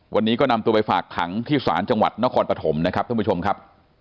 วันนี้ก็นำตัวไปฝากขังที่ศาลจังหวัดนครปฐมนะครับท่านผู้ชมครับ